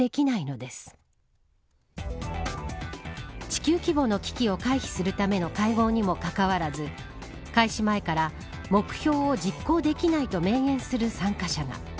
地球規模の危機を回避するための会合にもかかわらず開始前から目標を実行できないと明言する参加者が。